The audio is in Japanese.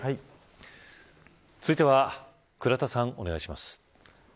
続いては倉田さん、お願いします。